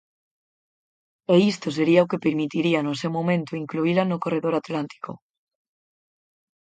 E isto sería o que permitiría, no seu momento, incluíla no corredor atlántico.